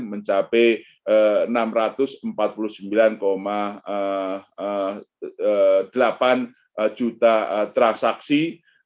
mencapai enam ratus empat puluh sembilan delapan juta transaksi